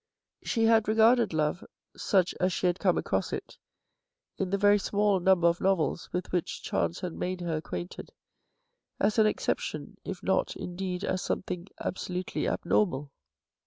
She had regarded love, such as she had come across it, in the very small number of novels with which chance had made her acquainted, as an exception if not indeed as something absolutely abnormal.